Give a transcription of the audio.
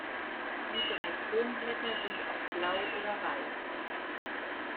Die drei Kronblätter sind oft blau oder weiß.